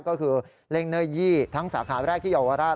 ก็คือเล่งเนอร์ยี่ทั้งสาขาแรกที่เยาวราช